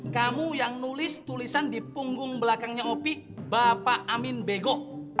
kamu yang nulis tulisan di punggung belakangnya opik bapak amin bego